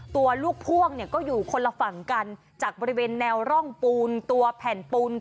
ตัวลูกพ่วงเนี่ยก็อยู่คนละฝั่งกันจากบริเวณแนวร่องปูนตัวแผ่นปูน